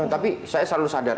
tapi saya selalu sadar